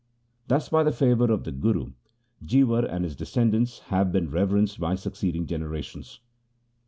Thus, by the favour of the Guru, Jiwar and his descendants have been reverenced by succeeding generations.